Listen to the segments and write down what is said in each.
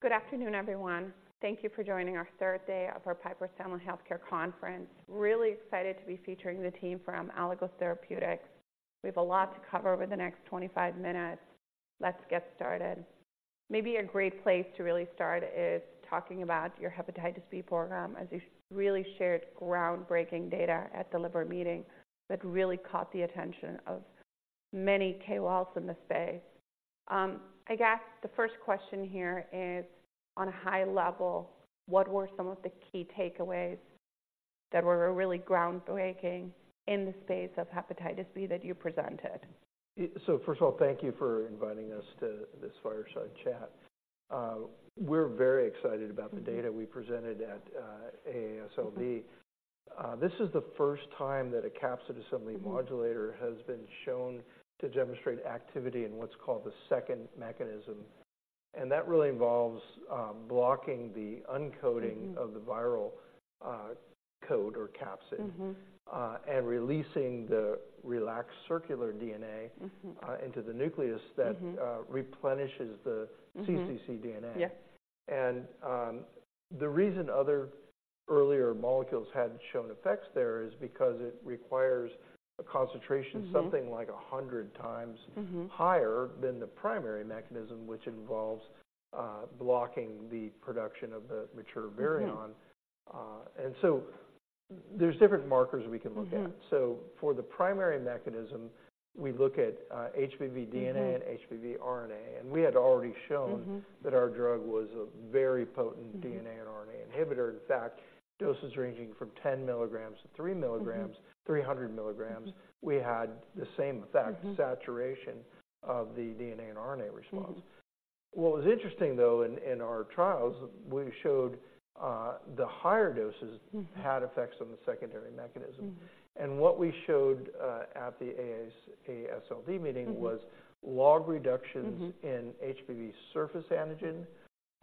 Yeah. All right. Good afternoon, everyone. Thank you for joining our third day of our Piper Sandler Healthcare Conference. Really excited to be featuring the team from Aligos Therapeutics. We have a lot to cover over the next 25 minutes. Let's get started. Maybe a great place to really start is talking about your hepatitis B program, as you've really shared groundbreaking data at the liver meeting that really caught the attention of many KOLs in this space. I guess the first question here is, on a high level, what were some of the key takeaways that were really groundbreaking in the space of hepatitis B that you presented? So first of all, thank you for inviting us to this fireside chat. We're very excited about the- Mm-hmm. data we presented at AASLD. This is the first time that a capsid assembly modulator- Mm-hmm. - has been shown to demonstrate activity in what's called the second mechanism, and that really involves, blocking the uncoating- Mm-hmm. - of the viral, core or capsid. Mm-hmm. and releasing the relaxed circular DNA- Mm-hmm... into the nucleus that- Mm-hmm... replenishes the- Mm-hmm... cccDNA. Yeah. The reason other earlier molecules hadn't shown effects there is because it requires a concentration- Mm-hmm... something like 100 times- Mm-hmm... higher than the primary mechanism, which involves blocking the production of the mature virion. Mm-hmm. There's different markers we can look at. Mm-hmm. So for the primary mechanism, we look at HBV DNA- Mm-hmm.... and HBV RNA, and we had already shown- Mm-hmm.... that our drug was a very potent- Mm-hmm.... DNA and RNA inhibitor. In fact, doses ranging from 10 milligrams-3 milligrams- Mm-hmm.... 300 milligrams- Mm-hmm.... we had the same effect- Mm-hmm.... saturation of the DNA and RNA response. Mm-hmm. What was interesting, though, in our trials, we showed the higher doses- Mm-hmm.... had effects on the secondary mechanism. Mm-hmm. What we showed at the AASLD meeting- Mm-hmm..... was log reductions. Mm-hmm..... in HBV surface antigen,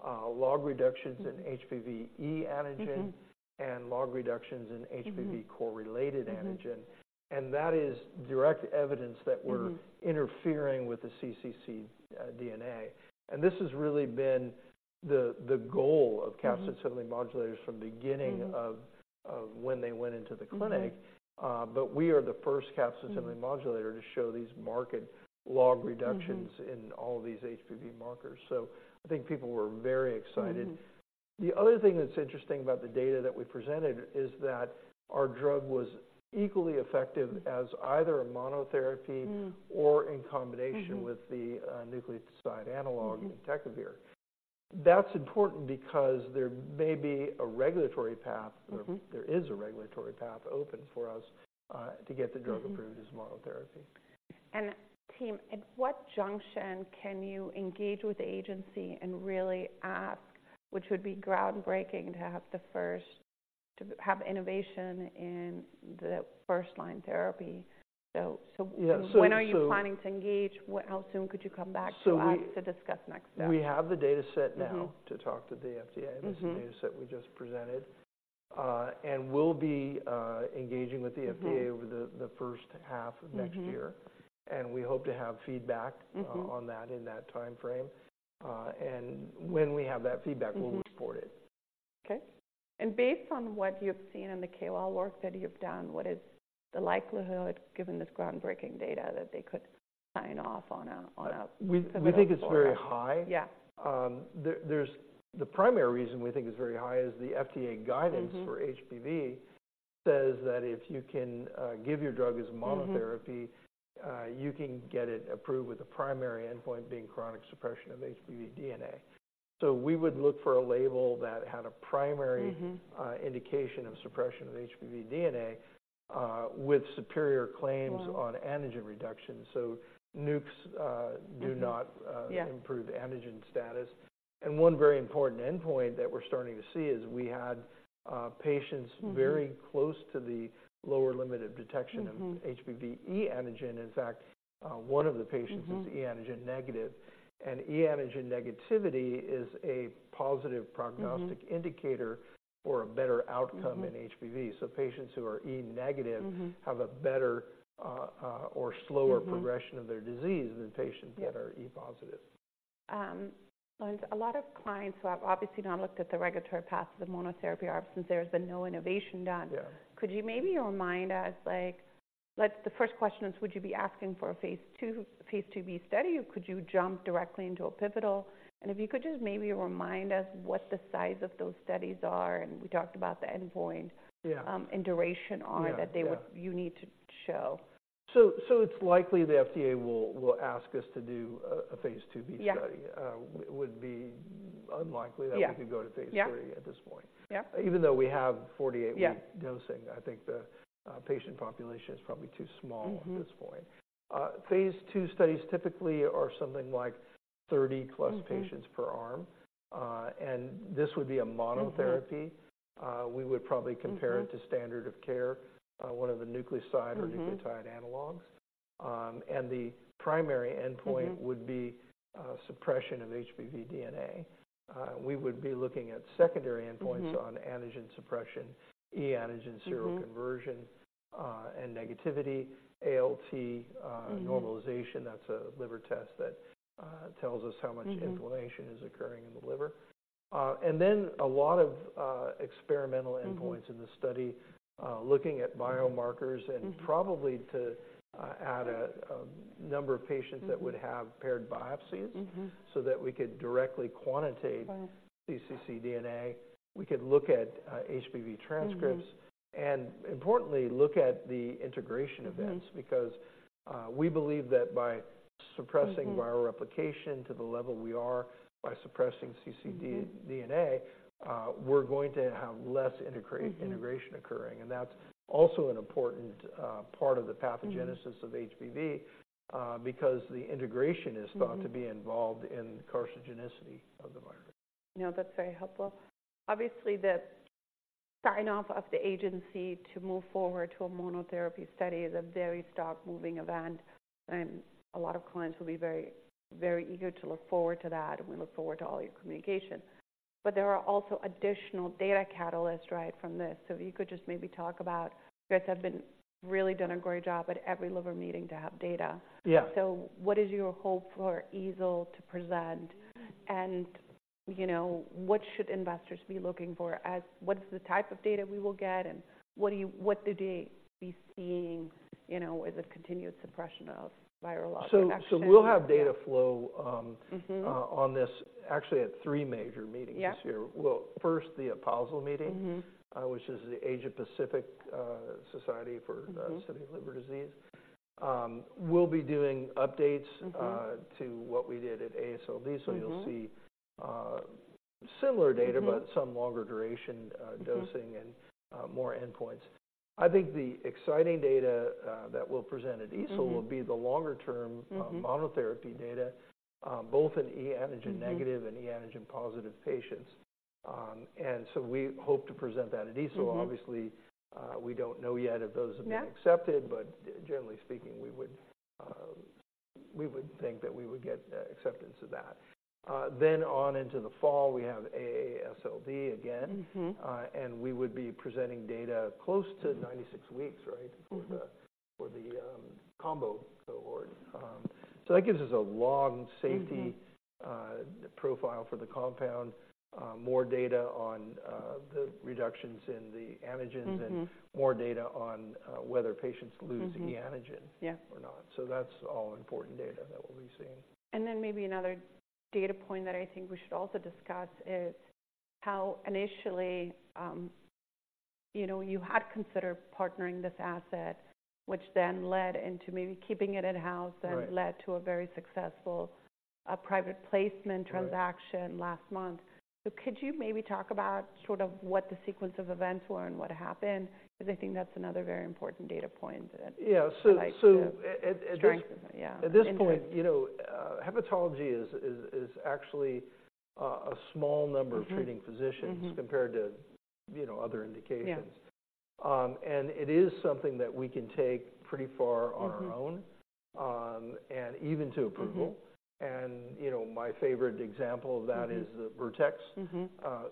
log reductions in HBe antigen- Mm-hmm. ... and log reductions in HBV- Mm-hmm.... core-related antigen. Mm-hmm. That is direct evidence- Mm-hmm.... that we're interfering with the cccDNA. And this has really been the goal of- Mm-hmm.... capsid assembly modulators from the beginning- Mm-hmm.... of when they went into the clinic. Mm-hmm. But we are the first capsid assembly modulator to show these marked log reductions. Mm-hmm.... in all these HBV markers, so I think people were very excited. Mm-hmm. The other thing that's interesting about the data that we presented is that our drug was equally effective as either a monotherapy- Mm. or in combination Mm-hmm.... with the nucleoside analog- Mm-hmm.... entecavir. That's important because there may be a regulatory path- Mm-hmm.... or there is a regulatory path open for us to get the drug- Mm-hmm.... approved as monotherapy. Team, at what junction can you engage with the agency and really ask, which would be groundbreaking to have the first to have innovation in the first-line therapy? So, Yeah, so, When are you planning to engage? What, how soon could you come back to us? So we- to discuss next steps? We have the data set now- Mm-hmm.... to talk to the FDA. Mm-hmm. This is the data set we just presented. And we'll be engaging with the FDA- Mm-hmm.... over the first half of next year. Mm-hmm. We hope to have feedback- Mm-hmm.... on that in that timeframe. When we have that feedback- Mm-hmm.... we'll report it. Okay, and based on what you've seen in the KOL work that you've done, what is the likelihood, given this groundbreaking data, that they could sign off on a- We think it's very high. Yeah. The primary reason we think it's very high is the FDA guidance- Mm-hmm.... for HBV says that if you can, give your drug as monotherapy- Mm-hmm.... you can get it approved, with the primary endpoint being chronic suppression of HBV DNA. So we would look for a label that had a primary- Mm-hmm.... indication of suppression of HBV DNA, with superior claims- Right.... on antigen reduction. So Nucs, Mm-hmm.... do not- Yeah.... improve antigen status. One very important endpoint that we're starting to see is we had, patients- Mm-hmm.... very close to the lower limit of detection- Mm-hmm.... of HBe antigen. In fact, one of the patients- Mm-hmm.... is HBe antigen negative, and HBe antigen negativity is a positive prognostic- Mm-hmm.... indicator for a better outcome. Mm-hmm.... in HBV. So patients who are HBe negative- Mm-hmm.... have a better, or slower- Mm-hmm.... progression of their disease than patients that- Yeah.... are HBe positive. There's a lot of clients who have obviously not looked at the regulatory path of the monotherapy arm since there's been no innovation done. Yeah. Could you maybe remind us, like, let's—the first question is, would you be asking for a phase II, a phase IIb study, or could you jump directly into a pivotal? And if you could just maybe remind us what the size of those studies are, and we talked about the endpoint- Yeah.... and duration on- Yeah, yeah.... that they would, you need to show. So it's likely the FDA will ask us to do a phase IIb study. Yeah. It would be unlikely that- Yeah..... we could go to phase III- Yeah... at this point. Yeah. Even though we have 48- Yeah.... week dosing, I think the patient population is probably too small- Mm-hmm.... at this point. Phase II studies typically are something like 30-plus- Mm-hmm.... patients per arm. And this would be a monotherapy. Mm-hmm. We would probably compare it- Mm-hmm.... to standard of care, one of the nucleoside- Mm-hmm.... or nucleotide analogs. The primary endpoint- Mm-hmm.... would be, suppression of HBV DNA. We would be looking at secondary endpoints- Mm-hmm.... on antigen suppression, HBe antigen- Mm-hmm.... seroconversion, and negativity.... ALT Mm-hmm. normalization, that's a liver test that tells us how much- Mm-hmm. inflammation is occurring in the liver. And then a lot of experimental endpoints- Mm-hmm. In the study, looking at biomarkers. Mm-hmm. - and probably to add a number of patients- Mm-hmm. that would have paired biopsies. Mm-hmm. So that we could directly quantitate- Right. - cccDNA, we could look at, HBV transcripts- Mm-hmm. Importantly, look at the integration events. Mm-hmm. Because we believe that by suppressing- Mm-hmm - viral replication to the level we are, by suppressing cccDNA- Mm-hmm.... we're going to have less Mm-hmm. - integration occurring, and that's also an important part of the pathogenesis- Mm-hmm. - of HBV, because the integration is- Mm-hmm. - thought to be involved in carcinogenicity of the virus. You know, that's very helpful. Obviously, the sign-off of the agency to move forward to a monotherapy study is a very stock-moving event, and a lot of clients will be very, very eager to look forward to that, and we look forward to all your communication. But there are also additional data catalysts, right, from this. So if you could just maybe talk about, you guys have really done a great job at every liver meeting to have data. Yeah. What is your hope for EASL to present? And, you know, what should investors be looking for as what's the type of data we will get, and what will they be seeing, you know, with the continued suppression of viral load reduction? So we'll have data flow, Mm-hmm.... on this actually at 3 major meetings. Yeah. this year. Well, first, the APASL meeting- Mm-hmm.... which is the Asia-Pacific, Society for- Mm-hmm. Study Liver Disease. We'll be doing updates- Mm-hmm.... to what we did at AASLD. Mm-hmm. So you'll see, similar data- Mm-hmm.... but some longer duration, Mm-hmm.... dosing and, more endpoints. I think the exciting data, that we'll present at EASL- Mm-hmm.... will be the longer-term- Mm-hmm.... monotherapy data, both in HBe antigen negative- Mm-hmm.... and HBe antigen positive patients, and so we hope to present that at EASL. Mm-hmm. Obviously, we don't know yet if those have been- Yeah.... accepted, but generally speaking, we would, we would think that we would get acceptance of that. Then on into the fall, we have AASLD again. Mm-hmm. We would be presenting data close to 96 weeks, right? Mm-hmm. For the combo cohort. So that gives us a long safety- Mm-hmm.... profile for the compound, more data on the reductions in the antigens- Mm-hmm.... more data on whether patients lose- Mm-hmm.... the antigen- Yeah.... or not. So that's all important data that we'll be seeing. And then maybe another data point that I think we should also discuss is how initially, you know, you had considered partnering this asset, which then led into maybe keeping it in-house- Right.... and led to a very successful, private placement- Right.... transaction last month. Could you maybe talk about sort of what the sequence of events were and what happened? Because I think that's another very important data point that- Yeah, so, Like, strengthen. Yeah. At this point, you know, hepatology is actually a small number- Mm-hmm.... of treating physicians- Mm-hmm.... compared to, you know, other indications. Yeah. It is something that we can take pretty far- Mm-hmm.... on our own, and even to approval. Mm-hmm. And you know, my favorite example of that- Mm-hmm.... is the Vertex- Mm-hmm....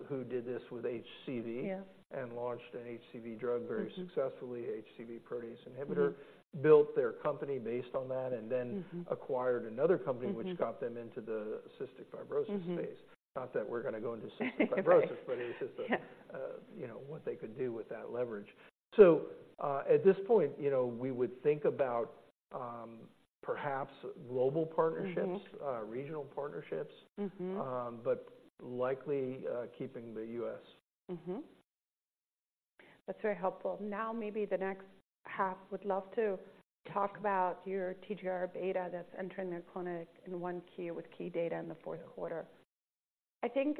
who did this with HCV- Yeah.... and launched an HCV drug- Mm-hmm.... very successfully, HCV protease inhibitor. Mm-hmm. Built their company based on that and then- Mm-hmm.... acquired another company- Mm-hmm.... which got them into the cystic fibrosis- Mm-hmm.... space. Not that we're gonna go into cystic fibrosis- Right. Yeah.... but it's just, you know, what they could do with that leverage. So, at this point, you know, we would think about, perhaps global partnerships- Mm-hmm.... regional partnerships. Mm-hmm. But likely, keeping the U.S. Mm-hmm. That's very helpful. Now, maybe the next half, would love to talk about your THR-β that's entering the clinic in Q1 with key data in the fourth quarter. I think,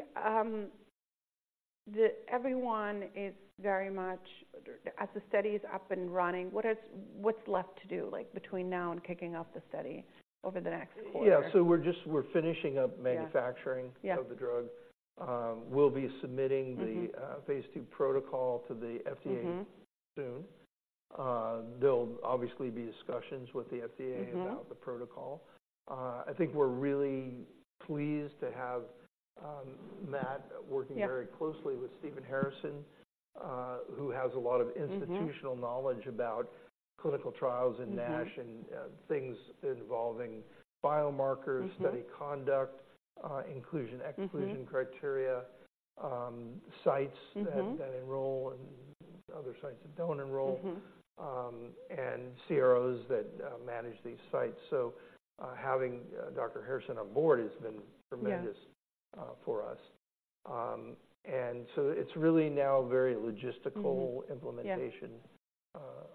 the everyone is very much... As the study is up and running, what is, what's left to do, like, between now and kicking off the study over the next quarter? Yeah. So we're finishing up- Yeah.... manufacturing- Yeah.... of the drug. We'll be submitting the- Mm-hmm.... phase II protocol to the FDA- Mm-hmm.... soon. There'll obviously be discussions with the FDA- Mm-hmm.... about the protocol. I think we're really pleased to have, Matt- Yeah.... working very closely with Stephen Harrison, who has a lot of- Mm-hmm.... institutional knowledge about clinical trials. Mm-hmm.... and NASH and things involving biomarkers- Mm-hmm.... study conduct, inclusion- Mm-hmm.... exclusion criteria, sites- Mm-hmm.... that enroll and other sites that don't enroll- Mm-hmm.... and CROs that manage these sites. So, having Dr. Harrison on board has been tremendous- Yeah.... for us. And so it's really now very logistical- Mm-hmm.... implementation- Yeah. ...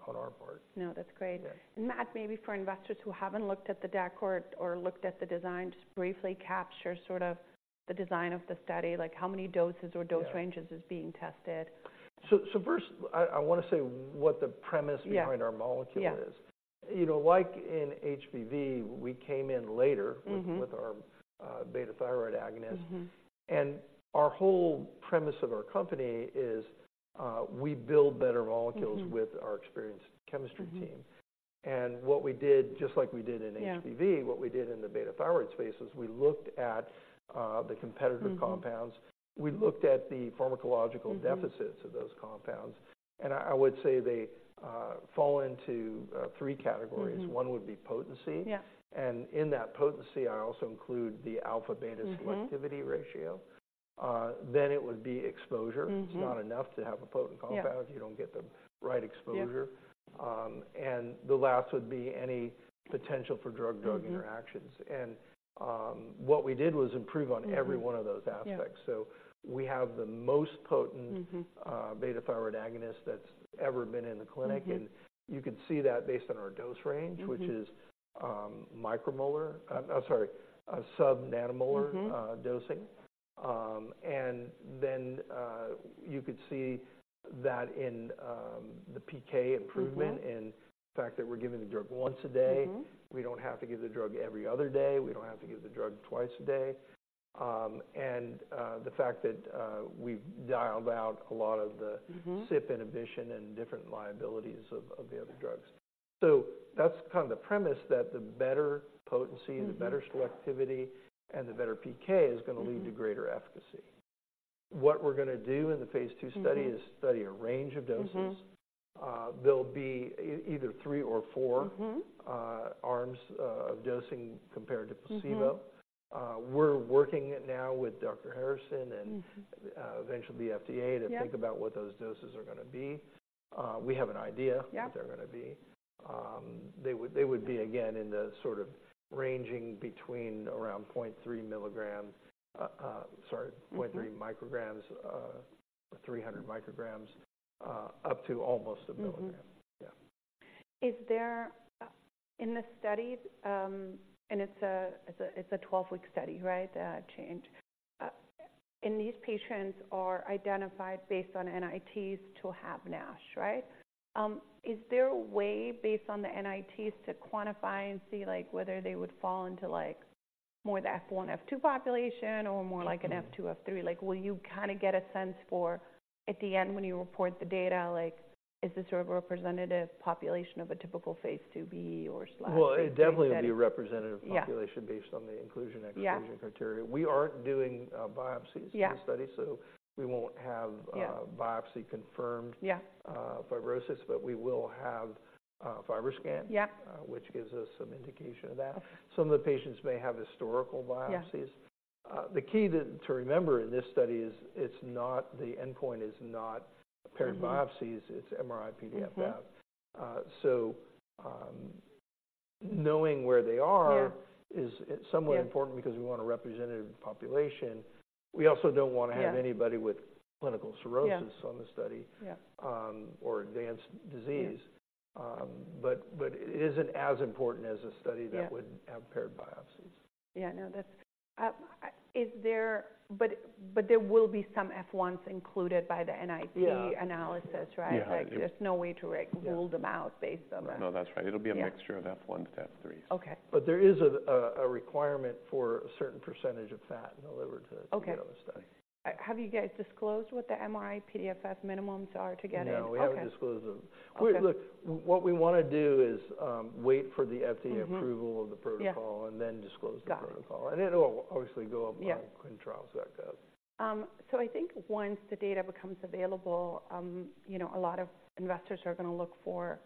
on our part. No, that's great. Yeah. Matt, maybe for investors who haven't looked at the DAC or, or looked at the design, just briefly capture sort of the design of the study, like how many doses or dose ranges- Yeah. is being tested. So first, I wanna say what the premise- Yeah.... behind our molecule is. Yeah. You know, like in HBV, we came in later- Mm-hmm.... with our beta thyroid agonist. Mm-hmm. Our whole premise of our company is, we build better molecules- Mm-hmm.... with our experienced chemistry team. Mm-hmm. And what we did, just like we did in HBV- Yeah.... what we did in the beta thyroid space was we looked at the competitor compounds- Mm-hmm. We looked at the pharmacological deficits- Mm-hmm.... compounds, and I would say they fall into three categories. Mm-hmm. One would be potency. Yeah. In that potency, I also include the alpha/beta- Mm-hmm. Selectivity ratio. Then it would be exposure. Mm-hmm. It's not enough to have a potent compound- Yeah. if you don't get the right exposure. Yeah. The last would be any potential for drug-drug interactions. Mm-hmm. What we did was improve on- Mm-hmm. Every one of those aspects. Yeah. So we have the most potent- Mm-hmm. beta thyroid agonist that's ever been in the clinic. Mm-hmm. You can see that based on our dose range- Mm-hmm. -which is, micromolar, sub-nanomolar- Mm-hmm. Dosing. And then, you could see that in the PK improvement- Mm-hmm. and the fact that we're giving the drug once a day. Mm-hmm. We don't have to give the drug every other day. We don't have to give the drug twice a day. The fact that we've dialed out a lot of the- Mm-hmm.... CYP inhibition and different liabilities of the other drugs. So that's kind of the premise, that the better potency- Mm-hmm. the better selectivity, and the better PK is gonna Mm-hmm. -lead to greater efficacy. What we're gonna do in the phase II study- Mm-hmm. This study a range of doses. Mm-hmm. There'll be either 3 or 4- Mm-hmm. arms of dosing compared to placebo. Mm-hmm. We're working now with Dr. Harrison and- Mm-hmm. - eventually the FDA- Yeah. -to think about what those doses are gonna be. We have an idea- Yeah. -what they're gonna be. They would, they would be again, in the sort of ranging between around 0.3 milligrams, sorry- Mm-hmm.... 0.3 micrograms, 300 micrograms, up to almost 1 milligram. Mm-hmm. Yeah. Is there in the study... And it's a 12-week study, right? The change. And these patients are identified based on NITs to have NASH, right? Is there a way, based on the NITs, to quantify and see like whether they would fall into like more the F1, F2 population, or more like- Mm-hmm.... an F2, F3? Like, will you kind of get a sense for, at the end when you report the data, like, is this a representative population of a typical phase 2b or slash- Well, it definitely will be a representative- Yeah. population based on the inclusion Yeah. -exclusion criteria. We aren't doing, biopsies- Yeah. -in the study, so we won't have- Yeah.... biopsy-confirmed- Yeah. fibrosis, but we will have FibroScan- Yeah. which gives us some indication of that. Okay. Some of the patients may have historical biopsies. Yeah. The key to remember in this study is it's not, the endpoint is not paired biopsies- Mm-hmm. It's MRI-PDFF. Mm-hmm. So, knowing where they are- Yeah. is somewhat important. Yeah. -because we want a representative population. We also don't want to have- Yeah. Anybody with clinical cirrhosis- Yeah. On the study. Yeah. or advanced disease. Yeah. But it isn't as important as a study that would- Yeah. have paired biopsies. Yeah, no, that's... But there will be some F ones included by the NIT- Yeah. -analysis, right? Yeah, there is. Like, there's no way to, like- Yeah. rule them out based on the No, that's right. Yeah. It'll be a mixture of F1s to F3s. Okay. But there is a requirement for a certain percentage of fat in the liver to- Okay. be on the study. Have you guys disclosed what the MRI-PDFF minimums are to get in? No, we haven't disclosed them. Okay. Look, what we want to do is wait for the FDA approval- Mm-hmm. of the protocol Yeah. and then disclose the protocol. Got it. It'll obviously go up on- Yeah. -clinicaltrials.gov. So I think once the data becomes available, you know, a lot of investors are gonna look for,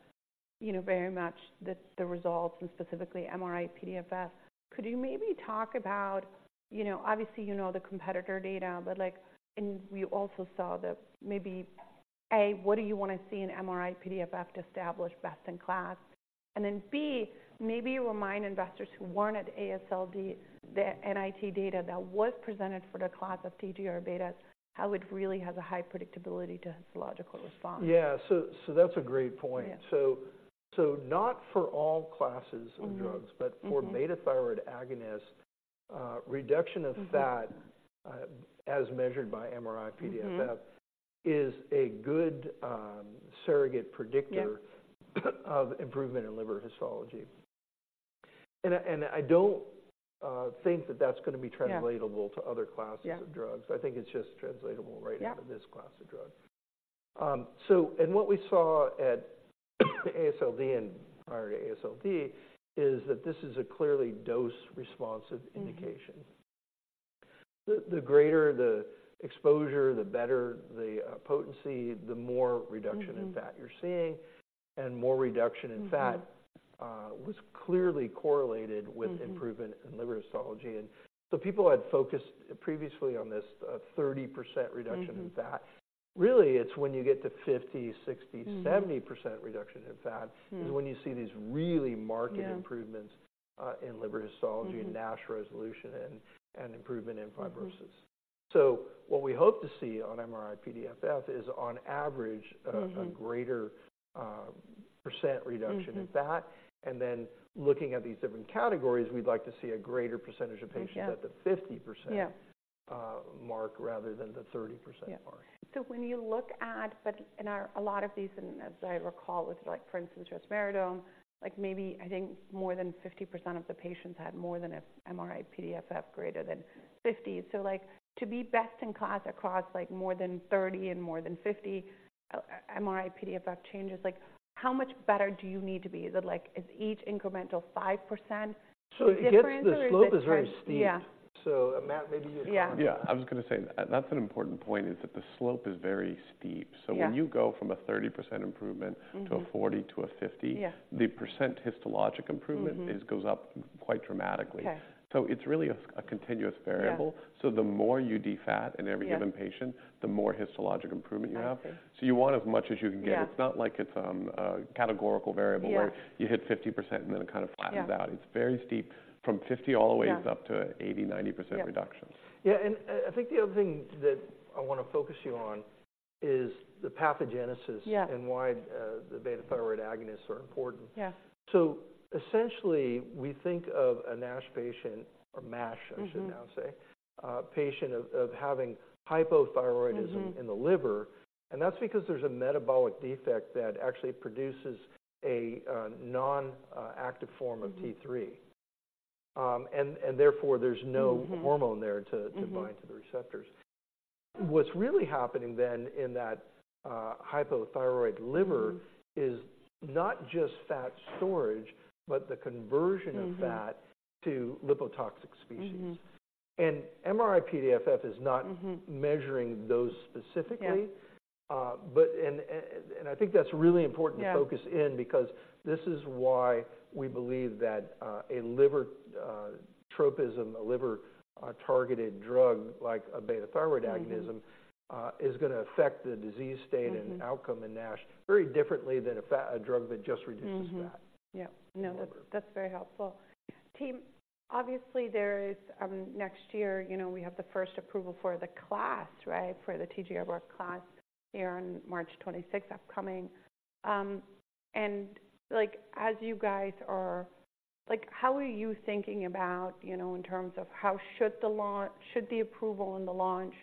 you know, very much the results and specifically MRI-PDFF. Could you maybe talk about, you know, obviously you know the competitor data, but like, and we also saw that maybe, A, what do you want to see in MRI-PDFF to establish best in class? And then, B, maybe remind investors who weren't at AASLD, the NIT data that was presented for the class of THR-βs, how it really has a high predictability to pathological response. Yeah, so that's a great point. Yeah. So, so not for all classes- Mm-hmm.... of drugs, but- Mm-hmm. -for beta thyroid agonists, reduction of fat- Mm-hmm.... as measured by MRI-PDFF- Mm-hmm. -is a good, surrogate predictor- Yeah.... of improvement in liver histology. And I, and I don't think that that's gonna be translatable- Yeah. to other classes Yeah. of drugs. I think it's just translatable right- Yeah. -to this class of drug. So, and what we saw at AASLD and prior to AASLD is that this is a clearly dose-responsive indication. Mm-hmm. The greater the exposure, the better the potency, the more reduction- Mm-hmm.... in fat you're seeing. And more reduction in fat- Mm-hmm.... was clearly correlated with- Mm-hmm. improvement in liver histology. And so people had focused previously on this, 30% reduction in fat. Mm-hmm. Really, it's when you get to 50%, 60%- Mm-hmm.... 70% reduction in fat- Mm. is when you see these really marked improvements Yeah. in liver histology- Mm-hmm. -NASH resolution and improvement in fibrosis. Mm-hmm. What we hope to see on MRI-PDFF is, on average- Mm-hmm.... a greater % reduction in fat. Mm, mm. And then looking at these different categories, we'd like to see a greater percentage of patients- Mm, yeah. at the 50% Yeah.... mark, rather than the 30% mark. Yeah. So when you look at, but in our, a lot of these, and as I recall, with like, for instance, resmetirom, like maybe I think more than 50% of the patients had more than a MRI-PDFF greater than 50. So like, to be best in class across like more than 30 and more than 50, MRI-PDFF changes, like, how much better do you need to be? Is it like, is each incremental 5% difference? So it gets, the slope is very steep. Yeah. So, Matt, maybe you- Yeah. Yeah, I was going to say, that's an important point, is that the slope is very steep. Yeah. When you go from a 30% improvement- Mm-hmm. - to a 40-50- Yeah. - the percent histologic improvement- Mm-hmm. It goes up quite dramatically. Okay. So it's really a continuous variable. Yeah. So the more you defat- Yeah. In every given patient, the more histologic improvement you have. I see. You want as much as you can get. Yeah. It's not like it's a categorical variable- Yeah. - where you hit 50%, and then it kind of flattens out. Yeah. It's very steep, from 50 all the way- Yeah. up to 80-90% reductions. Yeah. Yeah, and, I think the other thing that I wanna focus you on is the pathogenesis- Yeah. - and why the beta-thyroid agonists are important. Yeah. Essentially, we think of a NASH patient, or MASH, I should now say- Mm-hmm.... patient of having hypothyroidism- Mm-hmm. in the liver, and that's because there's a metabolic defect that actually produces an inactive form of T3. And therefore, there's no- Mm-hmm. hormone there to- Mm-hmm. - to bind to the receptors. What's really happening then in that, hypothyroid liver- Mm-hmm. is not just fat storage, but the conversion of fat- Mm-hmm. to lipotoxic species. Mm-hmm. MRI-PDFF is not- Mm-hmm. - measuring those specifically. Yeah. I think that's really important- Yeah. - to focus in, because this is why we believe that, a liver tropism, a liver targeted drug, like a beta-thyroid agonism- Mm-hmm. - is gonna affect the disease state- Mm-hmm. outcome in NASH very differently than a drug that just reduces fat. Mm-hmm. Yeah. In the liver. No, that's, that's very helpful. Team, obviously, there is next year, you know, we have the first approval for the class, right? For the THR-β class here on March twenty-sixth, upcoming. And like, as you guys are... Like, how are you thinking about, you know, in terms of how should the launch- should the approval and the launch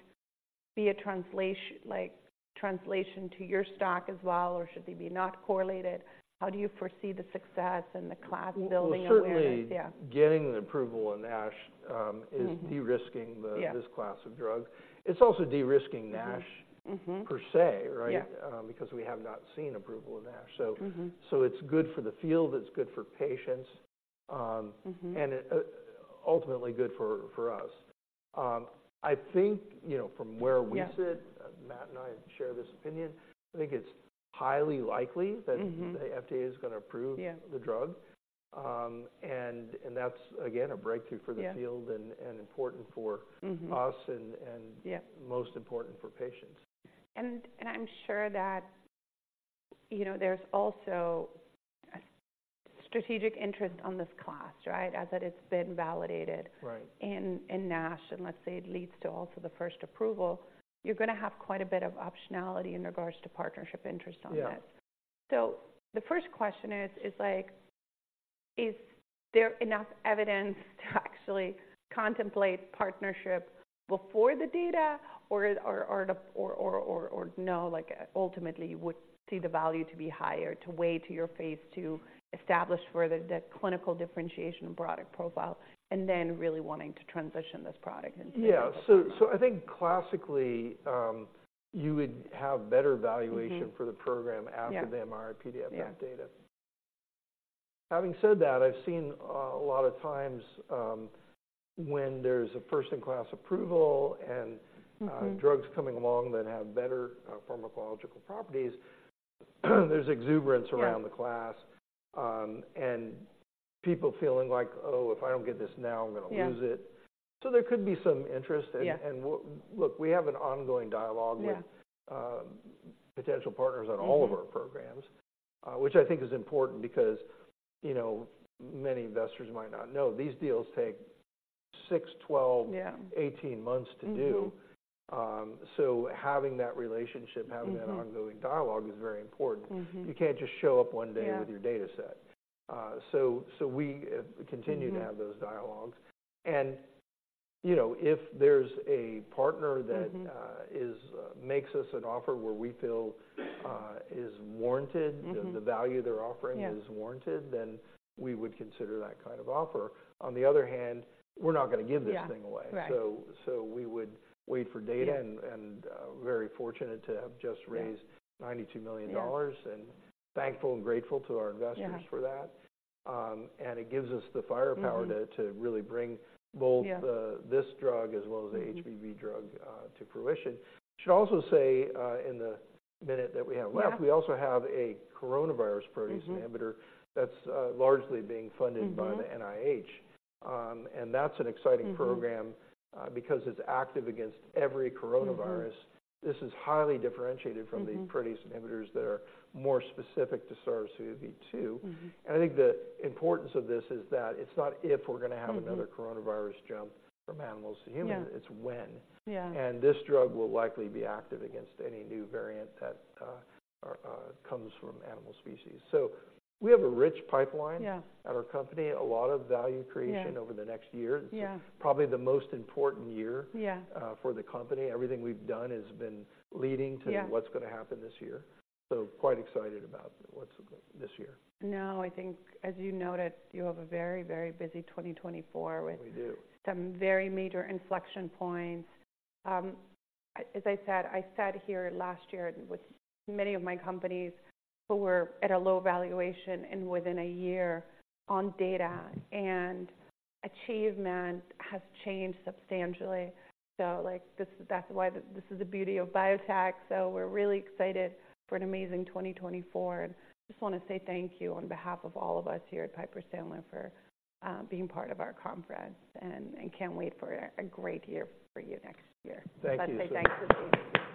be a translation- like, translation to your stock as well, or should they be not correlated? How do you foresee the success and the class building awareness? Well, certainly- Yeah. - getting the approval in NASH, is- Mm-hmm. de-risking the Yeah. this class of drugs. It's also de-risking NASH- Mm-hmm. per se, right? Yeah. Because we have not seen approval of NASH. Mm-hmm. So, it's good for the field, it's good for patients. Mm-hmm.... and ultimately good for us. I think, you know, from where we sit- Yeah. Matt and I share this opinion. I think it's highly likely that- Mm-hmm. the FDA is gonna approve Yeah. - the drug. And that's, again, a breakthrough for the field- Yeah. and important for- Mm-hmm. - us, and, and- Yeah. - most important for patients. I'm sure that, you know, there's also a strategic interest on this class, right? As that it's been validated- Right. in NASH, and let's say it leads to also the first approval, you're gonna have quite a bit of optionality in regards to partnership interest on this. Yeah. So the first question is, like, is there enough evidence to actually contemplate partnership before the data, or no, like, ultimately you would see the value to be higher, to weigh to your phase 2, establish further the clinical differentiation and product profile, and then really wanting to transition this product into- Yeah. So, I think classically, you would have better valuation- Mm-hmm. for the program Yeah. - after the MRI-PDFF data. Yeah. Having said that, I've seen a lot of times when there's a first-in-class approval and- Mm-hmm. drugs coming along that have better pharmacological properties, there's exuberance- Yeah. - around the class. And people feeling like: "Oh, if I don't get this now, I'm gonna lose it. Yeah. So there could be some interest- Yeah. look, we have an ongoing dialogue with- Yeah. - potential partners on all- Mm-hmm. - of our programs, which I think is important because, you know, many investors might not know these deals take 6, 12- Yeah. 18 months to do. Mm-hmm. So having that relationship- Mm-hmm. Having that ongoing dialogue is very important. Mm-hmm. You can't just show up one day- Yeah - with your data set. So we Mm-hmm - continue to have those dialogues. And, you know, if there's a partner that- Mm-hmm makes us an offer where we feel is warranted. Mm-hmm the value they're offering- Yeah Is warranted, then we would consider that kind of offer. On the other hand, we're not gonna give this thing away. Yeah. Right. So we would wait for data- Yeah and very fortunate to have just raised- Yeah - $92 million. Yeah. Thankful and grateful to our investors for that. Yeah. and it gives us the firepower- Mm-hmm to really bring both the- Yeah - this drug, as well as the HBV drug- Mm-hmm - to fruition. Should also say, in the minute that we have left- Yeah We also have a coronavirus protease inhibitor. Mm-hmm - that's largely being funded- Mm-hmm - by the NIH. And that's an exciting program- Mm-hmm because it's active against every coronavirus. Mm-hmm. This is highly differentiated- Mm-hmm - from the protease inhibitors that are more specific to SARS-CoV-2. Mm-hmm. I think the importance of this is that it's not if we're gonna have another- Mm-hmm coronavirus jump from animals to humans. Yeah It's when. Yeah. This drug will likely be active against any new variant that comes from animal species. We have a rich pipeline- Yeah At our company, a lot of value creation- Yeah over the next year. Yeah. Probably the most important year- Yeah for the company. Everything we've done has been leading to- Yeah What's gonna happen this year. So quite excited about what's... this year. No, I think as you noted, you have a very, very busy 2024 with- We do. Some very major inflection points. As I said, I sat here last year with many of my companies who were at a low valuation, and within a year on data and achievement has changed substantially. So, like, this, that's why this is the beauty of biotech. So we're really excited for an amazing 2024, and just wanna say thank you on behalf of all of us here at Piper Sandler for being part of our conference, and I can't wait for a great year for you next year. Thank you. I'd like to say thank you to you.